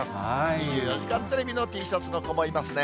２４時間テレビのＴシャツの子もいますね。